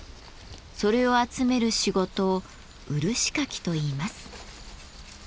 それを集める仕事を「漆かき」といいます。